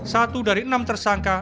satu dari enam tersangka